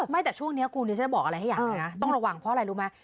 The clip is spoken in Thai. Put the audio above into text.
ไม่แต่ช่วงนี้คุณดิฉันจะบอกอะไรให้อย่างเลยนะต้องระวังเพราะอะไรรู้ไหม